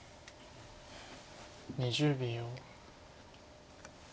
２０秒。